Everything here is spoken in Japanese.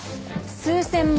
数千万！？